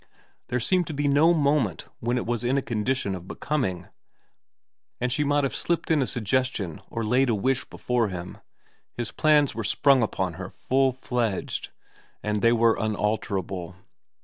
There seemed to be no moment when it was in a condition of becoming, and she might have slipped in a suggestion or laid a wish before him ; his plans were sprung upon her full fledged, and they were unalterable.